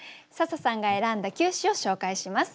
笹さんが選んだ９首を紹介します。